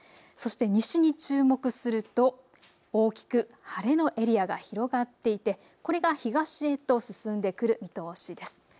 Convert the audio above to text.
そして西に注目すると大きく晴れのエリアが広がっていて、これが東へと進んでくる見通しです。